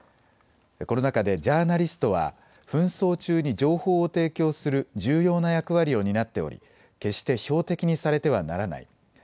この中でジャーナリストは紛争中に情報を提供する重要な役割を担っており決して標的にされてはならない。